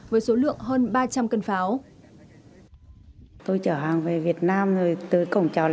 với số lượng hơn ba trăm linh cân pháo